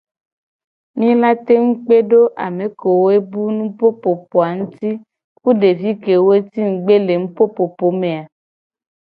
Mi la tengu kpe do ame kewo bu nupopopo a nguti ku devi kewo ci ngugbe le nupopopo me a.